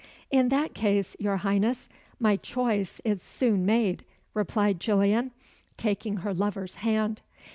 "In that case, your Highness, my choice is soon made," replied Gillian, taking her lover's hand.